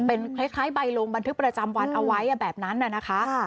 เป็นคล้ายใบลงบันทึกประจำวันเอาไว้แบบนั้นน่ะนะคะ